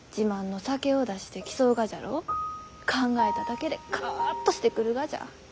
考えただけでカアッとしてくるがじゃ。